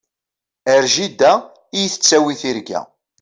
Ar jida i yi-tettawi tirga.